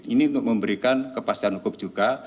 ini untuk memberikan kepastian hukum juga